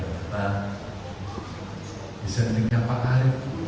nah dissentingnya pak arief